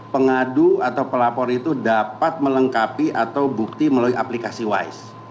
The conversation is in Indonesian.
pengadu atau pelapor itu dapat melengkapi atau bukti melalui aplikasi wise